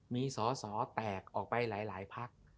มีสอสอแตกออกไปหลายพัก